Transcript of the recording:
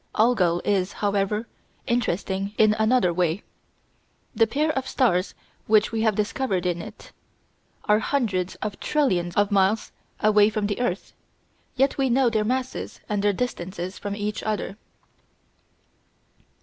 Algol is, however, interesting in another way. The pair of stars which we have discovered in it are hundreds of trillions of miles away from the earth, yet we know their masses and their distances from each other.